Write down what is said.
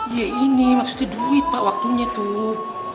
ya ini maksudnya duit pak waktunya tuh